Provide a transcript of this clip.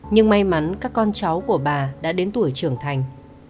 nhưng may mắn các con cháu của bà đã đến tuổi trưởng thành